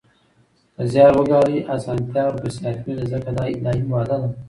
که زیار وګالئ، اسانتیا ورپسې حتمي ده ځکه دا الهي وعده ده